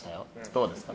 どうですか？